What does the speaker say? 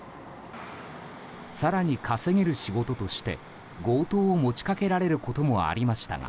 更に稼げる仕事として強盗を持ちかけられることもありましたが